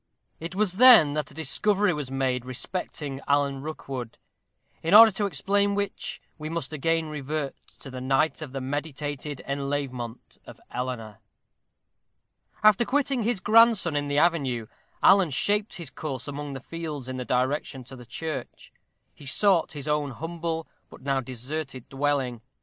It was then that a discovery was made respecting Alan Rookwood, in order to explain which we must again revert to the night of the meditated enlèvement of Eleanor. After quitting his grandson in the avenue, Alan shaped his course among the fields in the direction to the church. He sought his own humble, but now deserted dwelling.